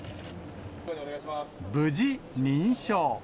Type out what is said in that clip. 無事、認証。